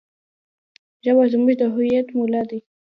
ژبه زموږ د هویت ملا ده.